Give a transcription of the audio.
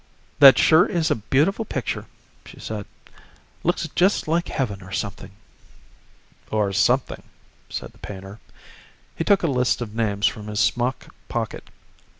"That sure is a beautiful picture," she said. "Looks just like heaven or something." "Or something," said the painter. He took a list of names from his smock pocket.